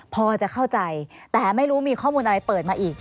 พอจะเข้าใจแต่ไม่รู้มีข้อมูลอะไรเปิดมาอีก